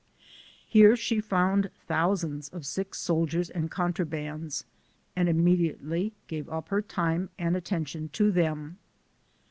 Here she found thou sands of sick soldiers and contrabands, and imme diately gave up her time and attention to them.